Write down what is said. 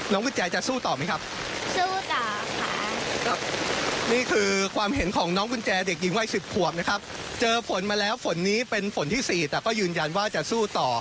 กุญแจจะสู้ต่อไหมครับสู้จ้ะนี่คือความเห็นของน้องกุญแจเด็กหญิงวัย๑๐ขวบนะครับเจอฝนมาแล้วฝนนี้เป็นฝนที่๔แต่ก็ยืนยันว่าจะสู้ต่อ